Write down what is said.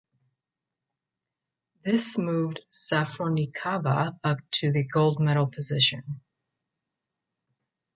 This moved Safronnikava up to the gold medal position.